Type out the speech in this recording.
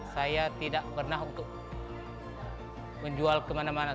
saya tidak pernah untuk menjual kemana mana